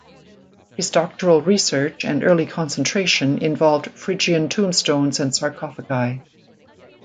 His doctoral research and early concentration involved Phrygian tombstones and sarcophagi.